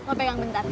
nih mau pegang bentar